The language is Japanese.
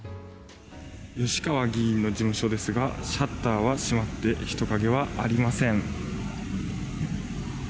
吉川議員の事務所ですがシャッターが閉まって人影はありません。